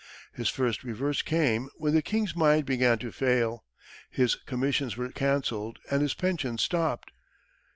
His first reverse came when the King's mind began to fail. His commissions were cancelled and his pensions stopped.